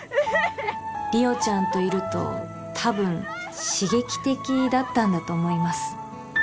莉桜ちゃんといるとたぶん刺激的だったんだと思います